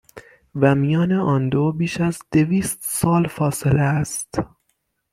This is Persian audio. و میان آن دو، بیش از دویست سال فاصله است